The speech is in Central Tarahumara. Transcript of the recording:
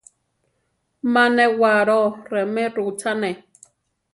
Má newaro remé rutzane.